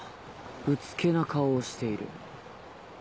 うつけな顔をしている。